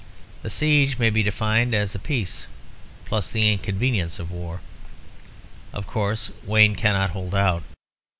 A siege may be defined as a peace plus the inconvenience of war. Of course Wayne cannot hold out.